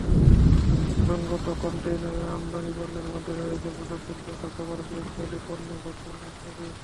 প্রসঙ্গত, কনটেইনারে আমদানি পণ্যের মধ্যে রয়েছে পোশাকশিল্পের কাঁচামাল, গৃহস্থালি পণ্য, ভোগ্যপণ্য ইত্যাদি।